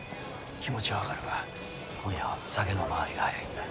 気持ちはわかるが今夜は酒の回りが早いんだ。